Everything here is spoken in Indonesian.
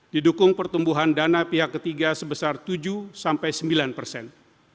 didukung pertumbuhan dana pihak ketiga sebesar tujuh sampai sembilan persen